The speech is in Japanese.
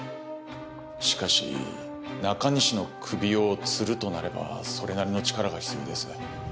しかし中西の首を吊るとなればそれなりの力が必要です。